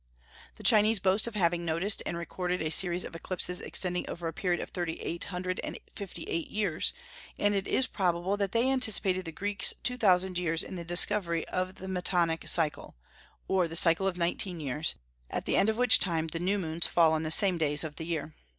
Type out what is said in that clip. The Chinese boast of having noticed and recorded a series of eclipses extending over a period of thirty eight hundred and fifty eight years; and it is probable that they anticipated the Greeks two thousand years in the discovery of the Metonic cycle, or the cycle of nineteen years, at the end of which time the new moons fall on the same days of the year.